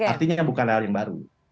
artinya bukan hal yang baru